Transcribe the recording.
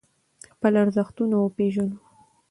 خپل ارزښتونه وپیژنو.